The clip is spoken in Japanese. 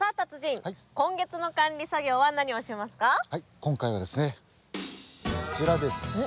今回はですねこちらです！